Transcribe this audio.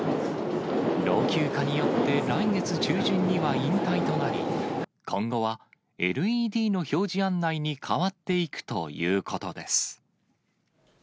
老朽化によって、来月中旬には引退となり、今後はＬＥＤの表示案内に代わっていくということです。